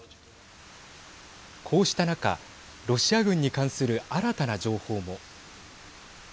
こうした中ロシア軍に関する新たな情報も。